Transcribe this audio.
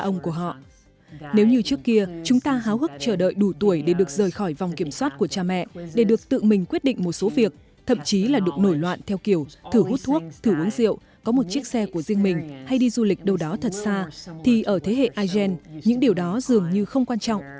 nếu như trước kia chúng ta háo hức chờ đợi đủ tuổi để được rời khỏi vòng kiểm soát của cha mẹ để được tự mình quyết định một số việc thậm chí là đụng nổi loạn theo kiểu thử hút thuốc thử uống rượu có một chiếc xe của riêng mình hay đi du lịch đâu đó thật xa thì ở thế hệ igen những điều đó dường như không quan trọng